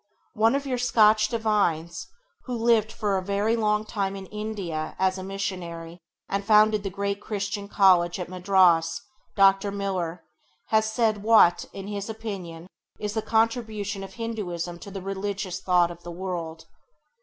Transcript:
One of your own Scotch divines, who lived for a very long time in India as a [Page 7] missionary, and founded the great Christian College at Madras, Dr. Miller, has said what, in his opinion, is the contribution of Hindûism to the religious thought of the world.